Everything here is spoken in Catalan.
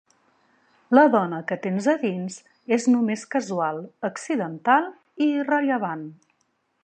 La dona que tens a dins és només casual, accidental i irrellevant.